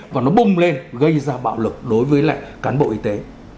và nó bùng lên gây ra bạo lực đối với lại cán bộ y tế